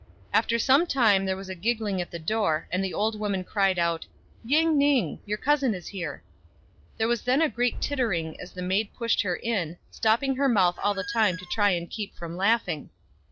After some time there was a giggling at the door, and the old woman cried out, " Ying ning ! your cousin is here." There was then a great tittering as the maid pushed her in, stopping her mouth all the time to try and keep from laughing.